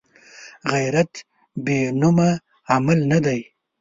غیرت بېنومه عمل نه دی